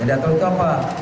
yang diatur itu apa